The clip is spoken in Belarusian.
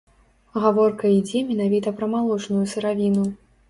Гаворка ідзе менавіта пра малочную сыравіну.